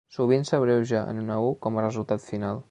Sovint s'abreuja en una "U" com a resultat final.